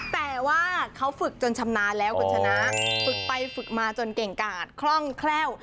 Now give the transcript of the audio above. แต่ว่าเขาฝึกจนชำนาญแล้วคุณชนะฝึกไปฝึกมาจนเก่งกาดคล่องแคล่ว